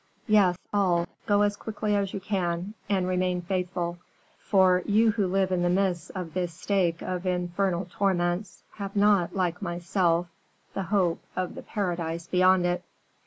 "Yes, all. Go as quickly as you can, and remain faithful; for, you who live in the midst of this stake of infernal torments, have not, like myself, the hope of the paradise beyond it."